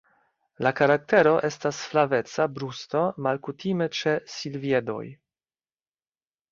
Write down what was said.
La karaktero estas flaveca brusto malkutime ĉe silviedoj.